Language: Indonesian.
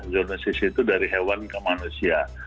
zoonosis itu dari hewan ke manusia